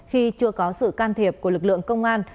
khi chưa có sự can thiệp của lực lượng công an